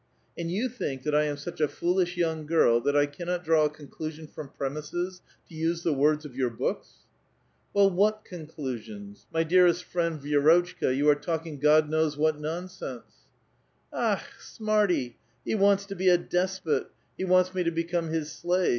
" And you think that I am such a foolish young girl that I cannot draw a conclusion from premises, to use the words of your books ?"" Well, what conclusions ? My dearest friend, Vi^rotchka, YOU are talking: God knows what nonsense." ^*'A}ch! smartv ! he wants to be a despot; he wants me to become his slave